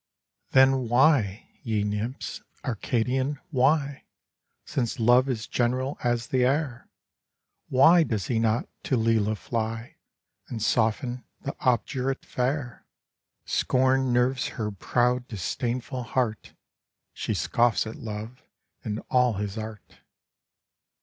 THE DREAM OF LOVE. 71 Then why, ye nymphs Arcadian, why Since Love is general as the air Why does he not to Lelia fly, And soften that obdurate fair? Scorn nerves her proud, disdainful heart ! She scoffs at Love and all his art